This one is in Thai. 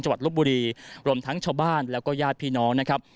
วัดลบบุรีรวมทั้งชาวบ้านแล้วก็ญาติพี่น้องนะครับ